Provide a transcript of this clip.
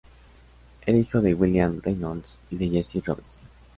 Era hijo de William Reynolds y de Jessie Robertson.